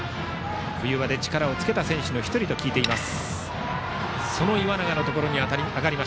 冬場で力をつけた選手の１人と聞いています。